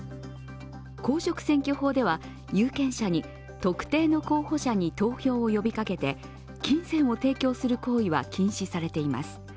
公職選挙法では有権者に特定の候補者に投票を呼びかけて金銭を提供する行為は禁止されています。